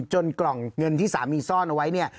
จนกล่องเงินที่สามีซ่อนเอาไว้